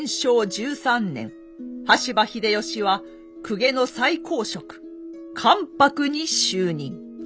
１３年羽柴秀吉は公家の最高職関白に就任。